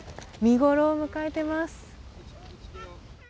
見頃を迎えてます。